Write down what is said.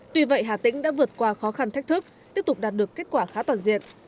tuy vậy hà tĩnh đã vượt qua khó khăn thách thức tiếp tục đạt được kết quả khá toàn diện